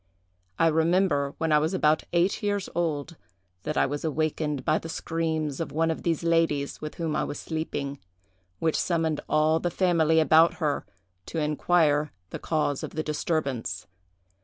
I remember, when I was about eight years old, that I was awakened by the screams of one of these ladies, with whom I was sleeping, which summoned all the family about her to inquire the cause of the disturbance.